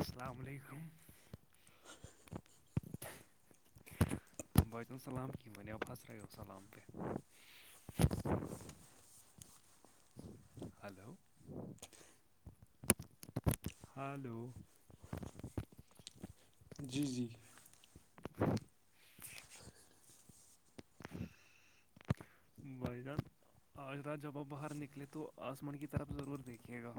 السلام علیکم بتے نے سلام کی وو پھسراو سلام پہ ہلو ہلو جی جی بائی جان آج رات جب وہ باہر نکلے تو آسمان کی طرف ضرور دیکھیے گا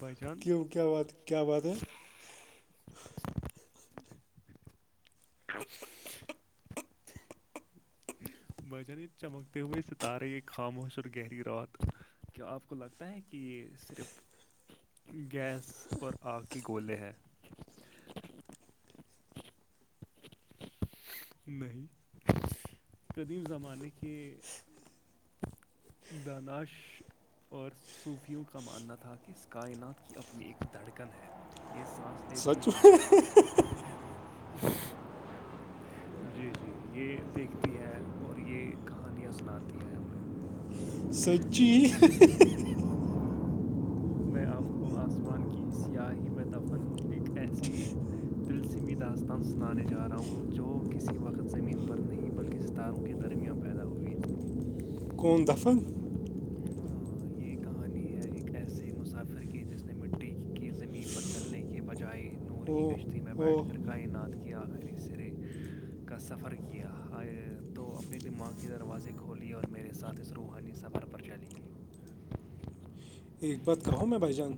بجان کیا کیا وات کی کیا بات ہے ہچ بجن چمکتے ہوئے ستارے یہ خاموش اور گہری رات کیا آپ کو لگتا ہوتا ہے کہ یہ صرف گیس اور آگ کے گولے ہیں نہیں قدیم زمانے کے دانعش اور صوفیوں کا ماننا تھا کہ اس کائنات کی اپنی ایک دھڑکن ہے یہ سانس لیتی ہے جی جی یہ دیکھتی ہے اور یہ کہانیاں سناتی ہے ہمیں سچی تو میں آپ کو آسمان کی سیاہی میں دفن ایک ایسی دلسمی داستان سنانے جا رہا ہوں جو کسی وقت زمین پر نہیں بلکہ تاروں کی ترمیاں پیدا ہوئی تھیں دفر ہاں یہ کہانی ہے ایک ایسے مسافر کی جس نے مٹی کی زمین پر چلنے کی کہ بجائے نور کی کشتی میں بیٹھ کر کائ نات کے آخری سر کا سفر کیا تو اپنے دماغ کے دروازے کھوول اور میرے ساتھ روحانی سفر پر چلیئی ایک بات کہوں میں بھائی جان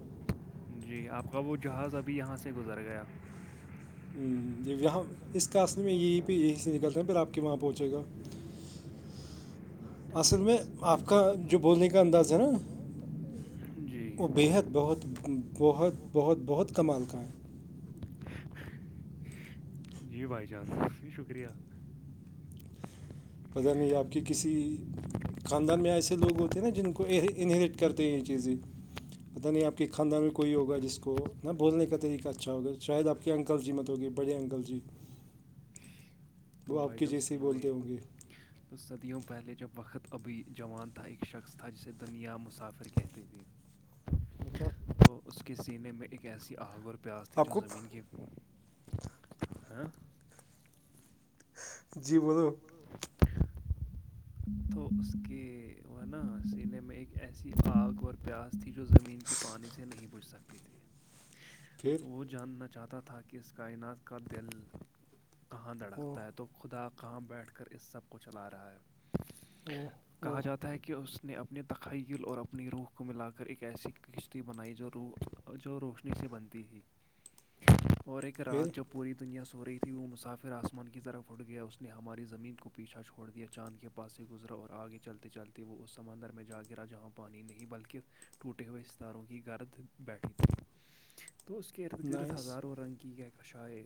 جی آپ کا وہ جہاز ابھی یہاں سے گزر گیا جی یہاں اس کاسل میں یہی پہ یہی سے نکلتے ہیں پھر آپ کے وہاں پہنچے گا اصل میں آپ کا جو بولنے کا انداز ہے نا وہ بےحد بہت بہت بہت بہت کمال کاان جی بائی چانس شکریہ پتہ نہیں آپ کی کسی خاندان میں ایسے لوگ ہوتے ہیں نا جن کو انہریٹ کرتے ہیں یہ چیزیں پتاہ نہیں آپ کے خاندان میں کوئی ہوگا جس کو نا بولنے کا طریقہ اچھا ہوگا شاید آپ کو ایک اکل جی مطلب کہ بڑے اکل جی تو بھای جان سنے تو صدیوں پہلے جب وقت ابھی جوان تھا ایک شخص تھا جسے دنیا مسافر کہتے تھے تو اس کے سینے میں ایک ایسی آہگور کے پیاس دی جو زمین کے ہاں جی بولو [inaudible] ہوں تو اس کے وہ نا سینے میں ایک ایسی آگ اور پیاز تھی جو زمین کی پانی سے نہیں بجھ سکتی تھی پھر وہ جاننا چاہتا تھا کہ اس کائنات کا دل کہاں دھڑکتا ہے تو خدا کہم بیٹھ کر اس سب کو چلا رہا ہے کہا جاتا ہے کہ اس نے اپنے دخائل اور اپنی روح کو ملا کر ایک ایسی کشتی بنائی جو رو جو روشنی سےی بنتی تھی اور ایک رات جب پوری دنیا سو رہی تھی وہ مسافر آسمان کی طرف اھٹ گیا اس نے ہماری زمین کو پیچھا چھوڑ دیا چاند کے پاس سے گزرا اور آگے چلتے چلتے وہ اس سمندر میں جا گرا جہاں پانی نہیں بلکہ ٹوٹے ہوئے ستاروں کی گرد بیٹھی تھی تو اس کے ارد گرد ہزاروں رنگ کی کیاکشائے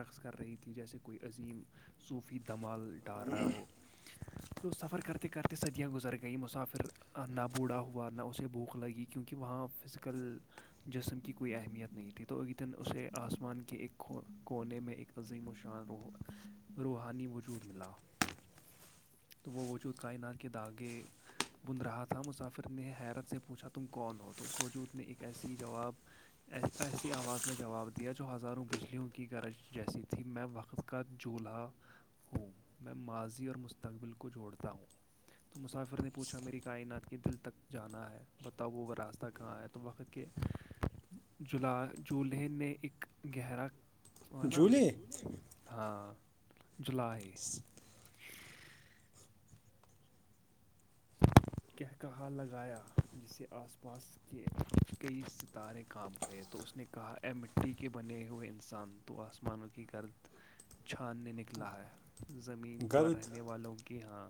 رقص کر رہی تھی جیسے کوئی عظیم صوفی دمال ڈار رہا ہو تو سفر کرتے کرتے صدیاں گزر گئیں مسافر نہ بوڑھا ہوا نہ اسے بھوک لگی کیونکہ وہاں ف کل جسم کی کوئی اہمیت نہیں تھی تو ایکی دن اسے آسمان کے ایک کونے میں ایک عظیم وشان روح روحانی ووجودود ملاؤ تو وہ وجود کائنات کے داغے بن رہا تھا مسافر نے حیرت سے پوچھا تم کون ہو تو اس وجود نے ایک ایسی جواب ایسی آواز میں جواب دیا جو ہزاروں بجلیوں کی گرج جیسی تھی میں وقت کا چولہا ہوں میں ماضی اور مستقبل کو جوڑتا ہوں تو مسافر نے پوچھا میری کائنات کے دل تک جانا ہے بتاؤ وہ وہ راستہ کہاں آیا تو وقت کہ جولا جولہین نے ایک گہرا ہے نا ہاں جولائی کہہ کہا لگایا جسے آس پاس کہ کئی ستارے کام کرے تو اس نے کہا اے مٹی کے بنے ہوئے انسان تو آسمانوں کی گرد چھاننے نکلا ہے زمین پر رہنے والوں کی ہاں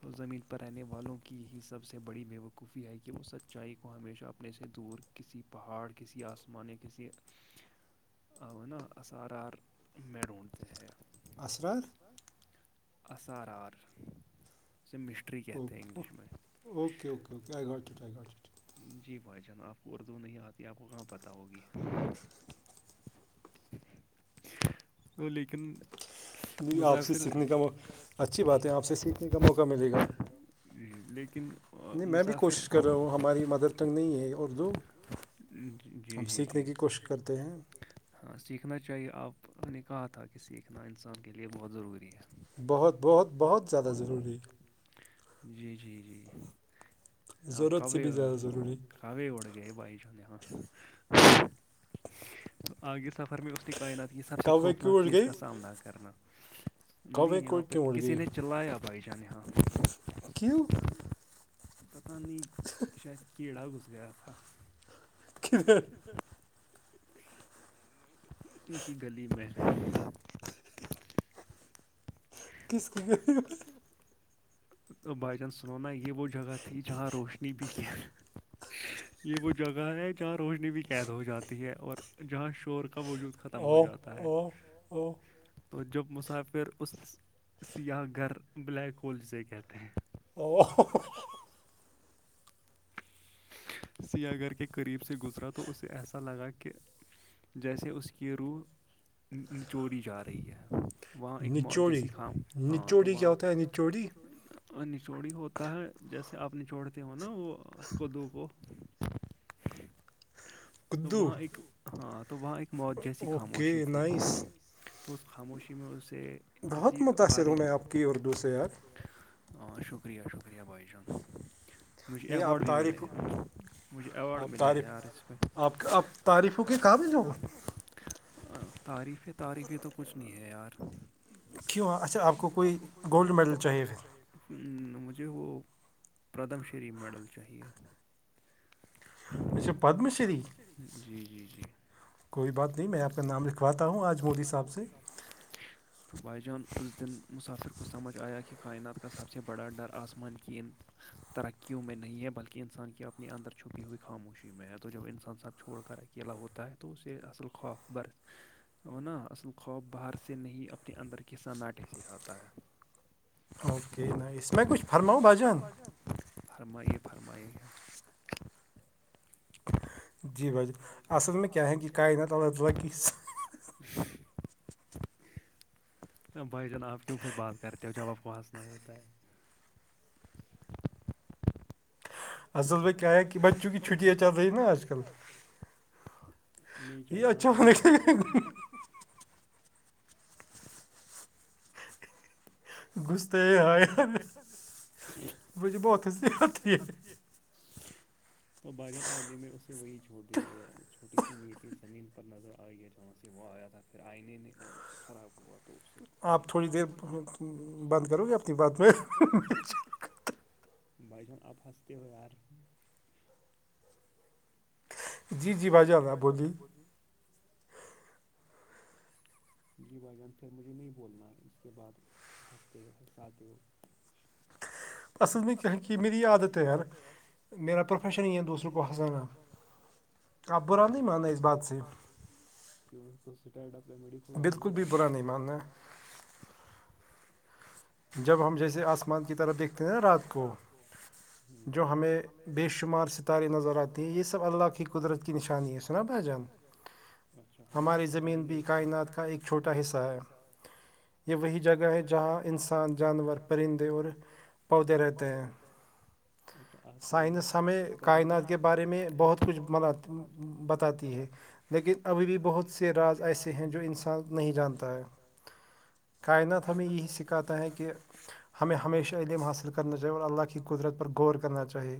تو زمین پر رہنے والوں کی کی ہی سب سے بڑی بےوقوفی ہے کہ وہ سچائی کو ہمیشہ اپنے سے دور کسی پہاڑ کسی آسمان کسی ا نا اسس آر آر میںی ڈونٹتے ہے اصرار ایس آر آر اسے مسٹری کہتے ہیں English okay okay okay I got چٹ گ جی بھائی جان آپ کو اردو نہیں آتی آپ کو کہاں پتہ ہوگی؟ لیکن مسافرچات ہے ما ملے گا لیکن مسافر وہ ہماری مدر توگ نہیں ہے جی جی جی ہاں سیکھنا چاہیے آپ نے کہا تھا کہ سیکھنا انسان کے لیے بہت ضروری ہے بہت بہت بہت زیادہ ضروری جی جی جی آ کبھی ہو ب ب ب س ہے کائنات یہ سب سے خوفناک چیز کا سامنا کرنا نہیں یہاں پہ کسی نے چلایا بھائی جان یہاں کیو پتہ نہیں شاید کیڑا گھس گیا تھا ک ج ان کی گلی میں کس کی بھائی جان سننا یہ وہ جگہ تھی جہاں روشنی بھی کیا یہ وہ جگہ ہے جہاں روشنی بھی قید ہو جاتی ہے اور جہاں شور کا وجود ختم ختم ہو جاتا ہے اور تو جب مسافر اس سیاح گھر بلیک ہول سے گھر تھ [inaudible] سیا گگر کے قریب سے گزرا تو اسے ایسا لگا کہ جیسے اس کی روح نچوڑی جا رہی ہے وہاں ایک موت جیسی خواؤں ہاں تو وہاں اور نچوڑی ہوتا ہے جیسے آپ نچوڑتے ہو نا وہ کو دو کو تو وہاں ایک ہاں تو وہاں ایک موت جیسی خاموشی تھی تو اس خاموشی میں اسے کسی باری آپ شکریہ شکریہ ب جان م جو اوارڈ بھی مل مجھے ایوارڈ ملے ہیں تعریفوں کے قابل ہو تعریفیں تعریفی تو کچھ نہیں ہے یار کیوںاں اچھا آپ کو کوئی گولڈ میڈل چاہیے پھر مجھے وہ پدم شریف میڈل چاہیے اچھا فم ش جی جی جی کوئی بات نہیں میں ایسا نام لکھواتا ہوں آج مودی صاحب سے تو بھائی جان اس دن مسافر کو سمجھ آیا کہ کائنات کا سب سے بڑا ڈر آسمان کیند ترقیوں میں نہیں ہے بلکہ کہ انسان کی اپنے اندر چھپی ہوئی خاموشی میں ہے تو جب انسان سب چھوڑ کر اکیلا ہوتا ہے تو اسے اصل خواب بارت ہو نا اصل خواب باہر سے نہیں اپنے اندر کے ساٹے سے آتا ہے اوکے ن اس میں کچھ فرماؤں با جان فرمائیے فرمائیے ہم جی بھائی جی اصل میں کیا ہے قت بھائی جان آپ کیوں پھر بات کرتے ہو جب آپ کو ہنسنا ہوتا ہے اصل بھائی کیا ہے کہ بچوں کی چھٹیاں چل رہی ہیں نا آج کل نہیں چاہیے ہاں تو نہیں چاہتے گغسے آئے یار مجھے بہت ہنسی آتی ہے [unintelligible] تو باجل آئند میں اسے وہی چھوڑ دی چھوٹی سی میٹھی زمین پر نظر آئی ہے کہاں سے وہ آیا تھا پھر آئنے نہیں اور خراب ہوا تو اسے زمین پر گیا بند کرو گے اپنی بات میں بھائی جان آپ ہستے ہو یار جی جی بھائی جان رہا بولیے جی بھائی جان پھر مجھے نہیں بولنا اس کے بعد ہنستے ہو ہنساتے ہو اصل میں کہ کہ میری عادت ہے یار میرا پروفیشن ہی ہے دوسروں کو ح جانا کا برا نہیں مانا اس بات سے کیٹڈ کامیڈی کھلاؤ نا جب ہم جیسے آسمان کی طرح دیکھتے ہیں نا رات کو جو ہمیں بے شمار ستارے نظر آتے ہیں یہ سب اللہ کی قدرت کی نشانی ہے سنا بھائی جان کائنات کا ایک چھوٹا حصہ ہے یہ وہی جگہ ہے جہاں انسان جانور پرندے اور پودے رہتے ہیں سائنس ہمیں کائنات کے بارے میں بہت کچھ بنات بتاتی ہے لیکن ابھی بھی بہت سے راز ایسے ہیں جو انسان نہیں جانتا ہے کائنات ہمیں یہی سکھاتا ہے کہ ہمیں ہمیشہ علم حاصل کرنا چاہیے اور اللہ کی قدرت پر غور کرنا چاہیے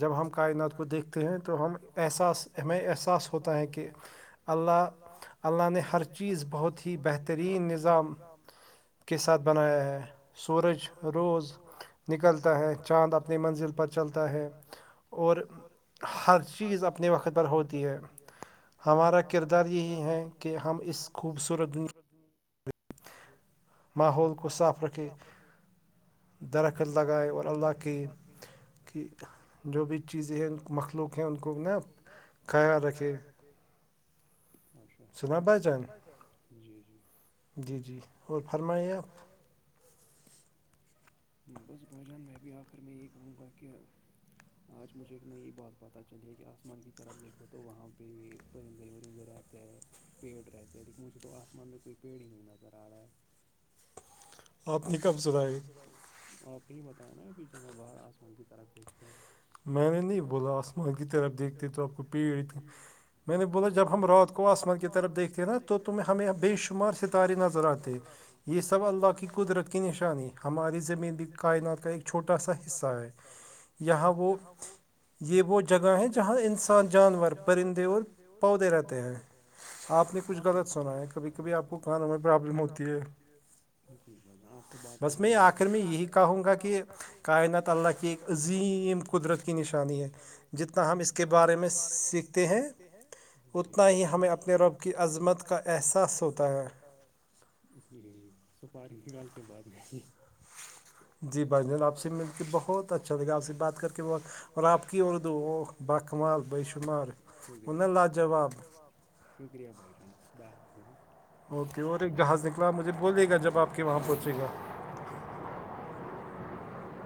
جب ہم کائنات کو دیکھتے ہیں تو ہم احساس ہمیں احساس ہوتا ہے کہ اللہ اللہ نے ہر چیز بہت ہی بہترین نظام جام ساتھ بنایا ہے سورج روز نکلتا ہے چاند اپنی منزل پر چلتا ہے اور ہر چیز اپنے وقت پر ہوتی ہے ہمارا کردار یہی ہے کہ ہم اس خوبصورت دنیا [unintelligible] ماحول کو صاف رکھے درخت لگائے اور اللہ کے کہ جو بھی چیزیں ہیں مخلوق ہیں ان کو نا جی جی جی جی اور فرمائیں آپ ب بوجان میں بھی آخر میں یہ کا گ کہ آج مجھے ایک نئی بات پتہ چلی کہ آسمان کی طرف دیکھو تو وہاں پہ پرندے ندے رہتے ہیں پیڑ رہتے ہے لیکن مجھے تو آسمان میں کوئی پیڑ ہی نہیں نظر آ رہا ہے آپ نے کب سنا یہ آپ نے بتایا نا ابھی جب ہم باہر آسمان کی طرف دیکھتے ہیں میں نے نہیں بولا آسمان کی طرف دیکھتے تو آپ کو پیڑ میں نے بولا جب ہم رات کو آسمان کی طرف دیکھتے ہیں نا تو تم ہمیںاں بے شمار ستارے نظر آتے یہ سب اللہ کی قدرت نشانی ہماری زمین بھی کائنات کا ایک چھوٹا سا حصہ ہے یہاں وہ یہاں وہ یہ وہ جگہ ہیں جہاں انسان جانور پرندے اور پودے رہتے ہیں آپ نے کچھ غلط سنا ہے بس میں آخر میں یہی کہوں گا کہ کائنات اللہ کی ایک عظیم قدرت کی نشانی ہے جتنا ہم اس کے بارے میں سیکھتے ہیں اتنا ہی ہمیں اپنے رب کی عظمت کا احساس ہوتا ہے اتنی سپار ان نکال کے بعد میں ہی جی بھائی جان آپ سے مل کے بہت اچھا لگا آپ سے بات کر کے بہت اور آپ کی اردو باکمال بے شمار و نا لا جواب شکریہ بھائی جان خدا حافظ اوکے اور ایک جہاز نکلا مجھے بولیے گا جب آپ کے وہاں پہنچے گا